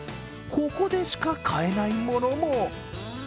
ここでしか買えないものも。